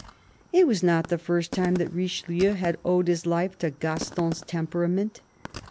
It was not the first time that Richelieu had owed his life to Gaston's temperament.